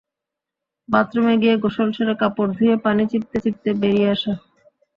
বাথরুমে গিয়ে গোসল সেরে কাপড় ধুয়ে পানি চিপতে চিপতে বেরিয়ে আসা।